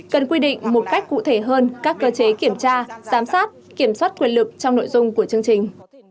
cần quy định một cách cụ thể hơn các cơ chế kiểm tra giám sát kiểm soát quyền lực trong nội dung của chương trình